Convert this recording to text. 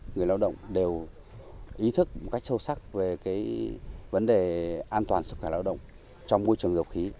người lao động đều ý thức một cách sâu sắc về vấn đề an toàn sức khỏe lao động trong môi trường dầu khí